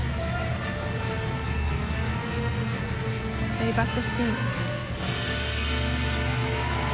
レイバックスピン。